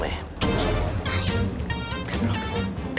teng sekitar nombal